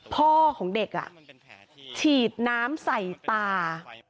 พ่อของเด็กฉีดน้ำใส่ตา